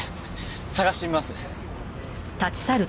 捜してみます。